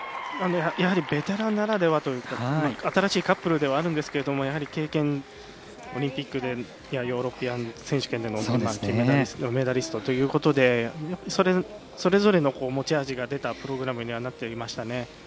やはりベテランならではというか新しいカップルではあるんですが経験などオリンピックやヨーロッパ選手権でもメダリストということでそれぞれの持ち味が出たプログラムになっていましたね。